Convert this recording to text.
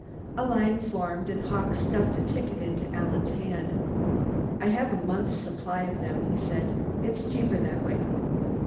A line formed, and Hawkes stuffed a ticket into Alan's hand. "I have a month's supply of them," he explained. "It's cheaper that way."